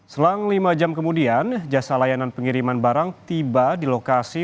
selang lima jam kemudian jasa layanan pengiriman barang tiba di lokasi